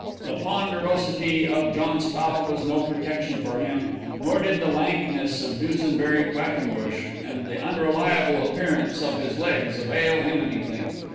The ponderosity of John Spout was no protection to him; nor did the lankness of Dusenbury Quackenbush, and the unreliable appearance of his legs, avail him anything.